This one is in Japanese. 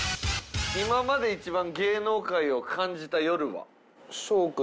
「今まで一番芸能界を感じた夜は？」